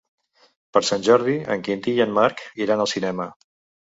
Per Sant Jordi en Quintí i en Marc iran al cinema.